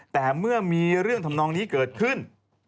แต่เมื่อมีเรื่องทำนองนี้เกิดขึ้น